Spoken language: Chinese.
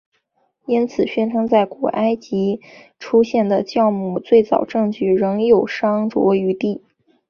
因此宣称在古埃及出现的酵母最早证据仍有商酌余地。